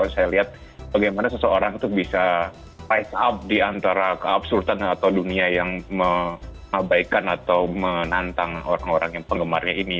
saya lihat bagaimana seseorang itu bisa rise up di antara absultan atau dunia yang mengabaikan atau menantang orang orang yang penggemarnya ini